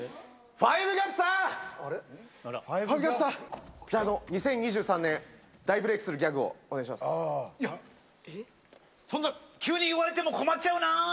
５ＧＡＰさん、じゃあ、２０２３年大ブレークするギャグをお願いいや、そんな、急に言われても困っちゃうなー。